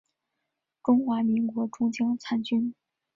中华民国中将参军。